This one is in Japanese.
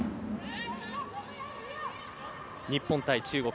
日本対中国